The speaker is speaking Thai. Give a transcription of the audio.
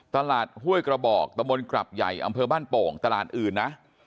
ห้วยกระบอกตะมนต์กลับใหญ่อำเภอบ้านโป่งตลาดอื่นนะ